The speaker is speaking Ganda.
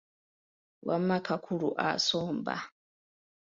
Wamma kakulu asomba.